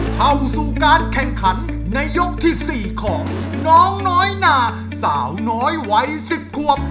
เข้าสู่การแข่งขันในยกที่๔ของน้องน้อยนาสาวน้อยวัย๑๐ควบ